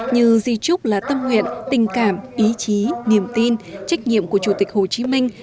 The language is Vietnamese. như di trúc là tâm nguyện tình cảm ý chí niềm tin trách nhiệm của chủ tịch hồ chí minh